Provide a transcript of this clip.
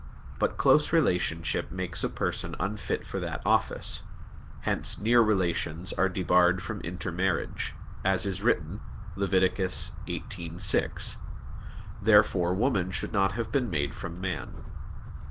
But close relationship makes a person unfit for that office; hence near relations are debarred from intermarriage, as is written (Lev. 18:6). Therefore woman should not have been made from man.